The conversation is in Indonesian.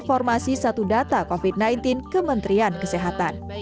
informasi satu data covid sembilan belas kementerian kesehatan